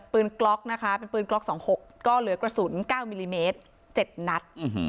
กล็อกนะคะเป็นปืนกล็อก๒๖ก็เหลือกระสุน๙มิลลิเมตร๗นัด